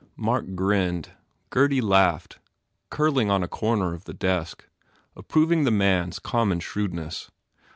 Mark grinned. Gurdy laughed, curling on a corner of the desk, approving the man s common shrewdness.